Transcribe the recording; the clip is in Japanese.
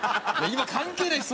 今関係ないです！